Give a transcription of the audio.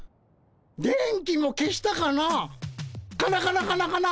「電気も消したかなカナカナカナカナ」。